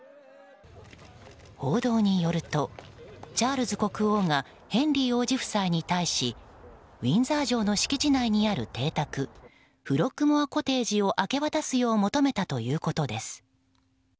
報道によると、チャールズ国王がヘンリー王子夫妻に対しウィンザー城の敷地内にある邸宅フロッグモア・コテージを明け渡すよう求めたということです。